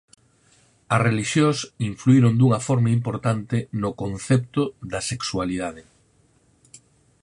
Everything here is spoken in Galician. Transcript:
As relixións influíron dunha forma importante no concepto da sexualidade.